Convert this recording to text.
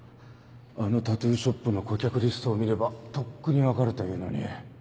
あのタトゥーショップの顧客リストを見ればとっくに分かるというのに。